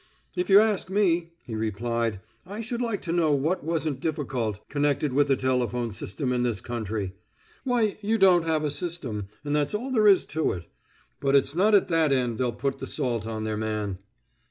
"If you ask me," he replied, "I should like to know what wasn't difficult connected with the telephone system in this country! Why, you don't have a system, and that's all there is to it. But it's not at that end they'll put the salt on their man."